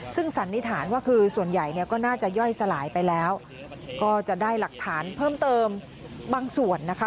ซึ่งสันนิษฐานว่าคือส่วนใหญ่เนี่ยก็น่าจะย่อยสลายไปแล้วก็จะได้หลักฐานเพิ่มเติมบางส่วนนะคะ